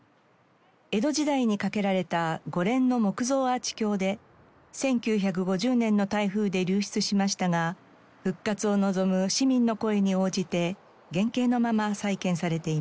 江戸時代に架けられた五連の木造アーチ橋で１９５０年の台風で流出しましたが復活を望む市民の声に応じて原形のまま再建されています。